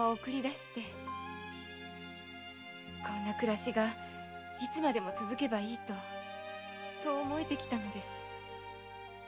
こんな暮らしがいつまでも続けばいいとそう思えてきたのです。